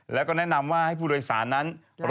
แล้วก็แนะนำว่าให้ผู้โดยสารนั้น